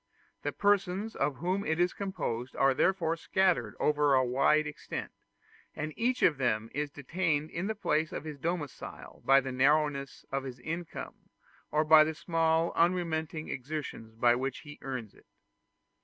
The persons of whom it is composed are therefore scattered over a wide extent, and each of them is detained in the place of his domicile by the narrowness of his income, or by the small unremitting exertions by which he earns it.